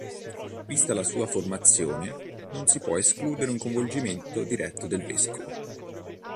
Vista la sua formazione, non si può escludere un coinvolgimento diretto del vescovo.